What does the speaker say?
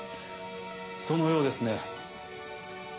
そのようですね。